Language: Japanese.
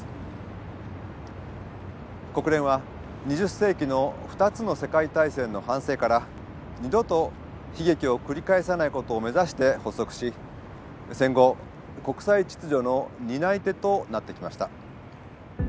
国連は２０世紀の２つの世界大戦の反省から二度と悲劇を繰り返さないことを目指して発足し戦後国際秩序の担い手となってきました。